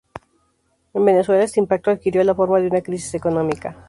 En Venezuela, este impacto adquirió la forma de una crisis económica.